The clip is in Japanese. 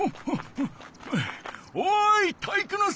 おい体育ノ介！